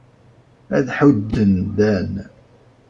Ad ḥudden Dan.